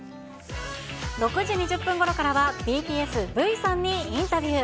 ６時２０分ごろからは、ＢＴＳ、Ｖさんにインタビュー。